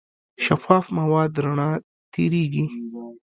شفاف مواد رڼا تېرېږي.